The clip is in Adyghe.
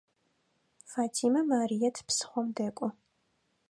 Фатимэ Марыет псыхъом дэкӏо.